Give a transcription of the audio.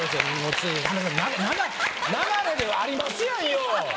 流れでありますやんよ！